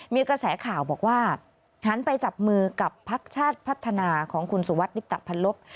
มีกระแสข่าวบอกว่าหันไปจับมือกับพักชาติพัฒนาของคุณสุวัสดิบตะพันลบ